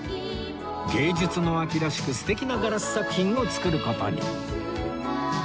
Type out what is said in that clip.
芸術の秋らしく素敵なガラス作品を作る事に